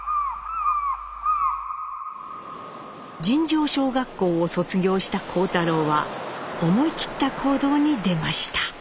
尋常小学校を卒業した幸太郎は思い切った行動に出ました。